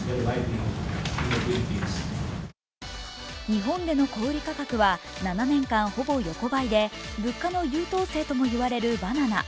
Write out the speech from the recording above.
日本での小売価格は７年間ほぼ横ばいで物価の優等生ともいわれるバナナ。